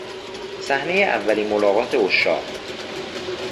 صحنهی اولین ملاقات عشاق